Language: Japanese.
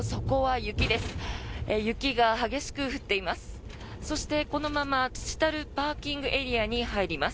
雪が激しく降っています。